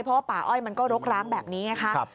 เพราะว่าป่าอ้อยมันก็รกร้างแบบนี้ไงคะ